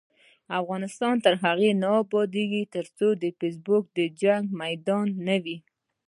افغانستان تر هغو نه ابادیږي، ترڅو فیسبوک د جنګ میدان نه وي.